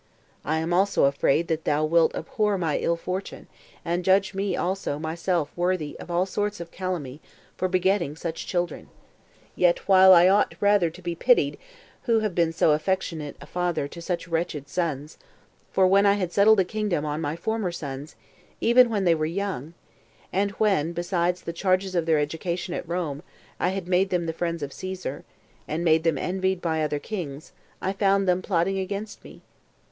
I am also afraid that thou wilt abhor my ill fortune, and judge me also myself worthy of all sorts of calamity for begetting such children; while yet I ought rather to be pitied, who have been so affectionate a father to such wretched sons; for when I had settled the kingdom on my former sons, even when they were young, and when, besides the charges of their education at Rome, I had made them the friends of Caesar, and made them envied by other kings, I found them plotting against me.